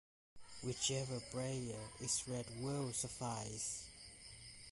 Whichever prayer is read will suffice.